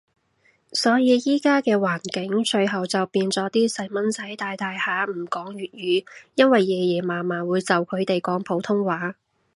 所以依家嘅環境，最後就變咗啲細蚊仔大大下唔講粵語，因為爺爺嫲嫲會就佢講普通話